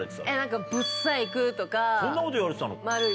そんなこと言われてたの？